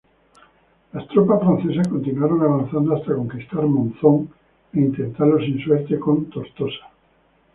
Las tropas francesas continuaron avanzando hasta conquistar Monzón e intentarlo sin suerte con Tortosa.